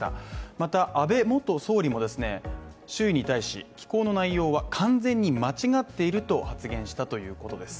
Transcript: また安倍元総理もですね、周囲に対し、寄稿の内容は完全に間違っていると発言したということです。